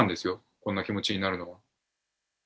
こんな気持ちになるのは。